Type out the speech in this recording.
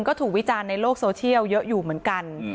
ก็ถูกวิจารณ์ในโลกโซเชียลเยอะอยู่เหมือนกัน